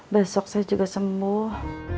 besok saya juga sembuh